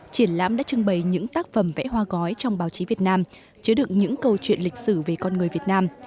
triển lãm đã trưng bày những tác phẩm vẽ hoa gói trong báo chí việt nam chứa được những câu chuyện lịch sử về con người việt nam